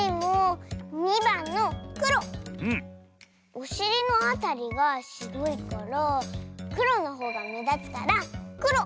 おしりのあたりがしろいからくろのほうがめだつからくろ！